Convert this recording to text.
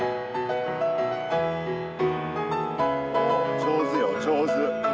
上手よ、上手。